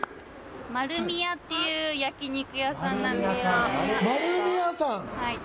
丸美屋っていう焼肉屋さんなんです丸美屋さん？